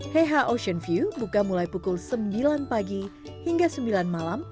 heha ocean view buka mulai pukul sembilan pagi hingga sembilan malam